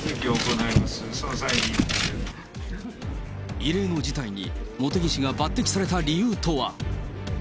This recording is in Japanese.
異例の事態に茂木氏が抜てきされた理由とは。